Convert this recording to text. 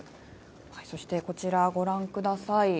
そしてこちらご覧ください。